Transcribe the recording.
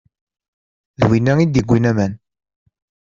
D winna i d-iwwin aman.